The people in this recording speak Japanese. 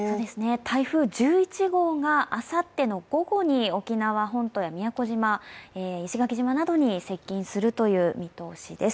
台風１１号があさっての午後に沖縄本島や宮古島、石垣島などに接近する見通しです。